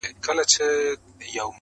صوفي او حاکم!